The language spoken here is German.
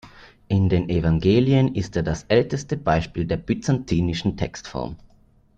In den Evangelien ist er das älteste Beispiel der byzantinischen Textform.